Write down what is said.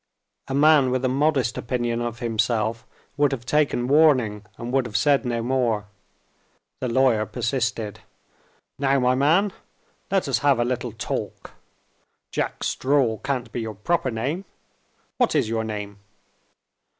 A man with a modest opinion of himself would have taken warning, and would have said no more. The lawyer persisted. "Now, my man! let us have a little talk. 'Jack Straw' can't be your proper name. What is your name?"